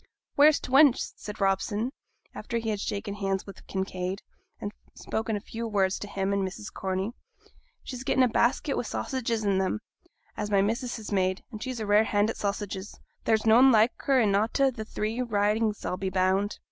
'Where's t' wench?' said Robson, after he had shaken hands with Kinraid, and spoken a few words to him and to Mrs. Corney. 'She's getten' a basket wi' sausages in 'em, as my missus has made, and she's a rare hand at sausages; there's noane like her in a' t' three Ridings, I'll be bound!'